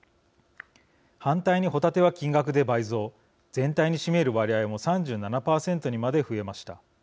反対にホタテは金額で倍増全体に占める割合も３７％にまで増えました。